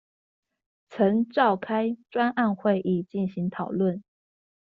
曾召開專案會議進行討論